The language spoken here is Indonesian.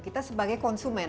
kita sebagai konsumen